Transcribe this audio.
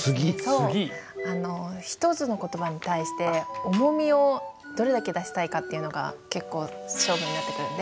一つの言葉に対して重みをどれだけ出したいかっていうのが結構勝負になってくるんで。